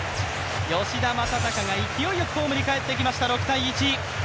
吉田正尚が勢いよくホームに帰ってきました、６−１．